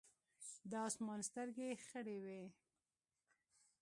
د اسمان سترګې خړې وې ـ